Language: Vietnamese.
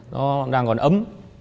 nó đang còn ấm